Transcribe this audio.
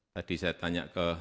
tadi saya tanya ke pak bapak